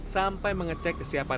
sampai mengecek keseluruhan unit pemadam